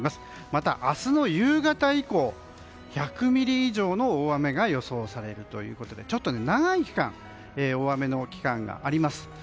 また、明日の夕方以降１００ミリ以上の大雨が予想されるということでちょっと長い期間大雨の期間があります。